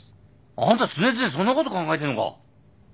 あんた常々そんなこと考えてんのか！？